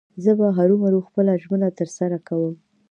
زه به هرو مرو خپله ژمنه تر سره کوم.